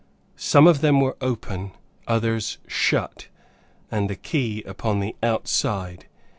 Some of them were open, others shut, and the key upon the outside.